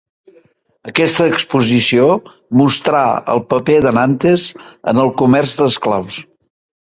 Aquesta exposició mostrà el paper de Nantes en el comerç d'esclaus.